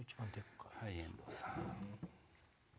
はい遠藤さん。